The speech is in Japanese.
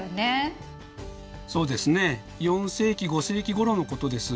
そうですね４世紀５世紀ごろのことです。